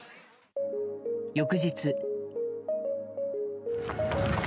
翌日。